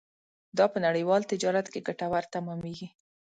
دا په نړیوال تجارت کې ګټور تمامېږي.